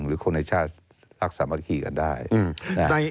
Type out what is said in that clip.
หรือคนในชาติรักสามัคคีกันได้